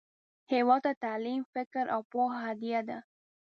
هیواد ته تعلیم، فکر، او پوهه هدیه ده